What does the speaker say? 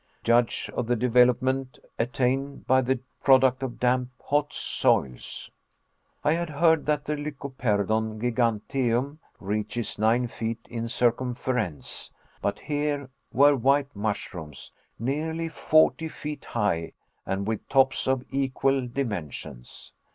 Judge of the development attained by this product of damp hot soils. I had heard that the Lycoperdon giganteum reaches nine feet in circumference, but here were white mushrooms, nearly forty feet high, and with tops of equal dimensions.